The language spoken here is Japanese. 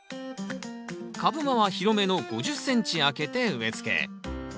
株間は広めの５０ｃｍ空けて植えつけ。